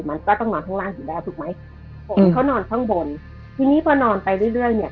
มันก็ต้องนอนทั้งล่างอยู่แล้วถูกไหมเขานอนข้างบนทีนี้พอนอนไปเรื่อย